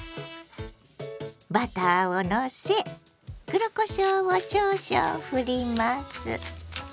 バターをのせ黒こしょうを少々ふります。